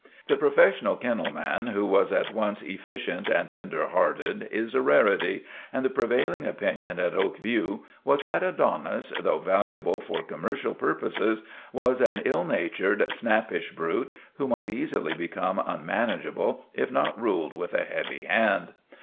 The professional kennel man who is at once efficient and tender hearted is a rarity, and the prevailing opinion at Oak View was that Adonis, though valuable for com mercial purposes, was an ill natured, snappish brute who might easily become unmanageable if not ruled with a heavy hand.